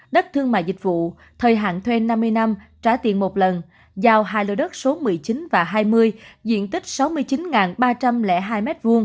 đất thương mại dịch vụ thời hạn thuê năm mươi năm trả tiền một lần giao hai lô đất số một mươi chín và hai mươi diện tích sáu mươi chín ba trăm linh hai m hai